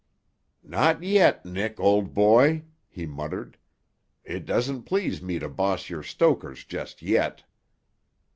"Not yet, Nick, old boy," he muttered. "It doesn't please me to boss your stokers just yet."